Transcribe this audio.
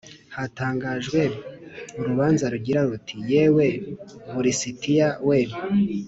hatangajwe urubanza rugira ruti yewe Bu lisitiya we